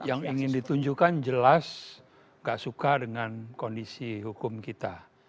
yang ingin ditunjukkan jelas gak suka dengan kondisi hukum kita